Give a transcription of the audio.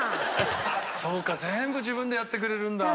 そうか全部自分でやってくれるんだ。